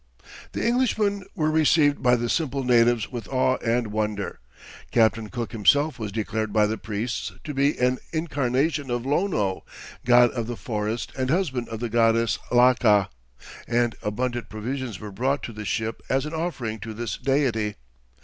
The Englishmen were received by the simple natives with awe and wonder, Captain Cook himself was declared by the priests to be an incarnation of Lono, god of the forest and husband of the goddess Laka, and abundant provisions were brought to the ship as an offering to this deity.